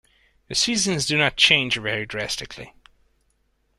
The seasons do not change very drastically.